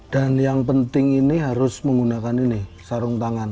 dan yang penting ini harus menggunakan ini sarung tangan